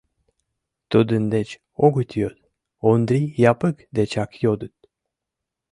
Тудын деч огыт йод, Ондри Япык дечак йодыт.